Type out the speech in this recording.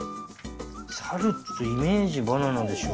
サルってイメージバナナでしょ。